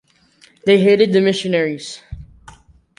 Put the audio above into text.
They hated the missionaries.